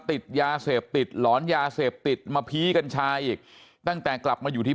ติดยาเสพติดหลอนยาเสพติดมาผีกัญชาอีกตั้งแต่กลับมาอยู่ที่